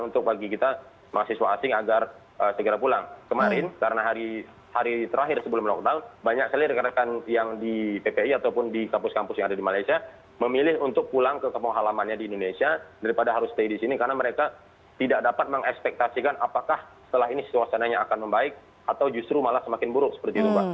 untuk bagi kita mahasiswa asing agar segera pulang kemarin karena hari terakhir sebelum lockdown banyak sekali rekan rekan yang di ppi ataupun di kampus kampus yang ada di malaysia memilih untuk pulang ke kemau halamannya di indonesia daripada harus stay di sini karena mereka tidak dapat mengespektasikan apakah setelah ini situasiananya akan membaik atau justru malah semakin buruk seperti itu mbak